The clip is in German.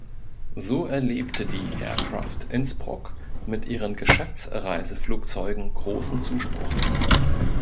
So erlebte die "Aircraft Innsbruck" mit ihren Geschäftsreiseflugzeugen großen Zuspruch.